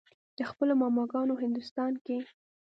د خپلو ماما ګانو هندوستان کښې